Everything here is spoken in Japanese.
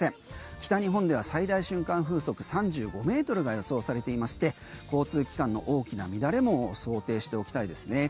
北日本では最大瞬間風速３５ｍが予想されていまして交通機関の大きな乱れも想定しておきたいですね。